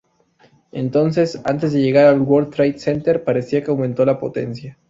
Entonces, antes de llegar al World Trade Center, parecía que aumentó la potencia.